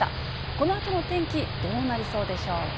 このあとの天気、どうなりそうでしょうか。